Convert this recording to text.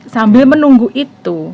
sambil menunggu itu